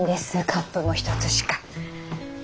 カップも１つしか。